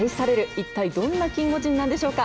一体どんなキンゴジンなんでしょうか。